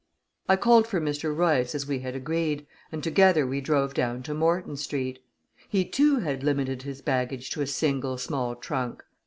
I called for Mr. Royce, as we had agreed, and together we drove down to Morton Street. He, too, had limited his baggage to a single small trunk.